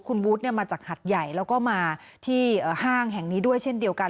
คุณวุฒิมาจากหัดใหญ่แล้วก็มาที่ห้างแห่งนี้ด้วยเช่นเดียวกัน